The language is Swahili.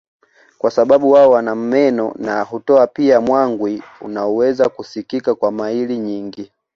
kwa sababu wao wana meno na hutoa pia mwangwi unaoweza kusikika kwa maili nyingi